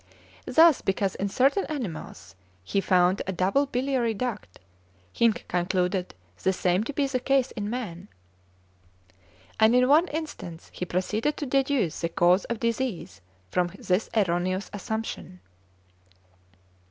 Thus, because in certain animals he found a double biliary duct, he concluded the same to be the case in man, and in one instance he proceeded to deduce the cause of disease from this erroneous assumption.